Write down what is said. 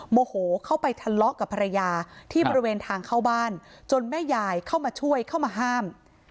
โมโหเข้าไปทะเลาะกับภรรยาที่บริเวณทางเข้าบ้านจนแม่ยายเข้ามาช่วยเข้ามาห้าม